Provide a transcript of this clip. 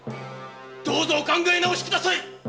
どうぞお考え直しください